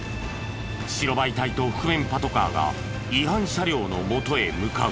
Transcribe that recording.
白バイ隊と覆面パトカーが違反車両の元へ向かう。